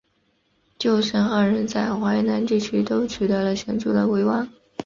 舅甥二人在淮南地区都取得了显着的威望。